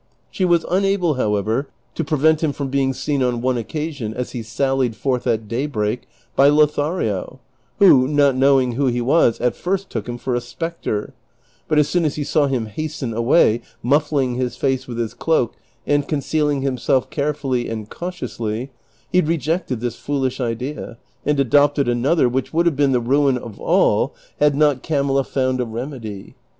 She w^as unable, however, to prevent him fi om being seen on one occasion, as he sallied forth at daybreak, by Lothario, who, not knowing who he was, at first took him for a spectre ; but, as soon as he saw him hasten away, muffling his face with his cloak and concealing himself carefully and cau tiously, he rejected this foolish idea, and adopteil another, which Avould have been the ruin of all had not Camilla found a remedy.